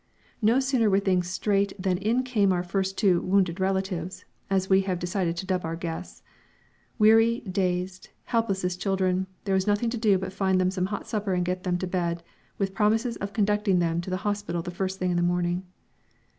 No sooner were things straight than in came our first two "wounded relatives" as we have decided to dub our guests. Weary, dazed, helpless as children, there was nothing to do but find them some hot supper and get them to bed, with promises of conducting them to the hospital the first thing in the morning.